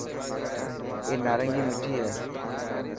اي نارنگي مٺي هي.